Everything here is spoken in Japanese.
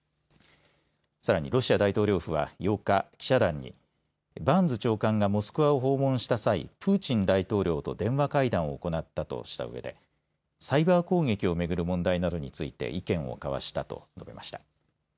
さらにロシア大統領府は８日、記者団にバーンズ長官がモスクワを訪問した際、プーチン大統領と電話会談を行ったとしたうえでサイバー攻撃を巡る問題などについて意見を交わしたと述べました。